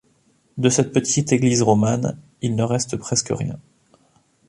De cette petite église romane, il ne reste presque rien.